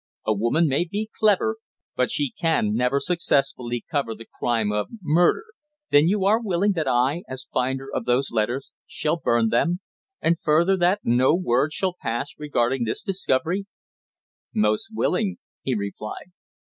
A woman may be clever, but she can never successfully cover the crime of murder." "Then you are willing that I, as finder of those letters, shall burn them? And further, that no word shall pass regarding this discovery?" "Most willing," he replied.